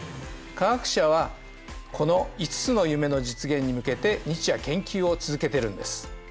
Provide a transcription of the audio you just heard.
化学者はこの５つの夢の実現に向けて日夜研究を続けてるんです。